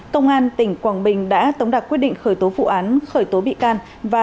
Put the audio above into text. công an tỉnh quảng bình đã tống đặc quyết định khởi tố vụ án khởi tố bị can và